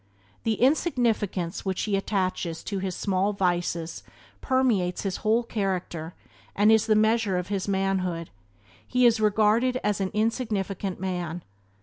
The insignificance which he attaches to his small vices permeates his whole character and is the measure of his manhood: he is regarded as an insignificant man.